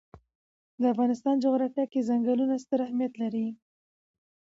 د افغانستان جغرافیه کې ځنګلونه ستر اهمیت لري.